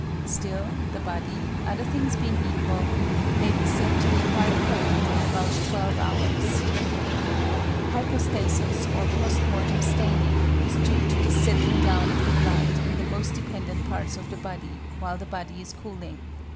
Still, the body, other things being equal, may be said to be quite cold in about twelve hours. =Hypostasis= or =post mortem staining= is due to the settling down of the blood in the most dependent parts of the body while the body is cooling.